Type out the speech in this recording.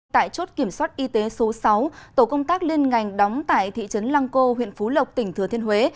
tại chốt kiểm soát y tế số sáu tổ công tác liên ngành đóng tại thị trấn lăng cô huyện phú lộc tỉnh thừa thiên huế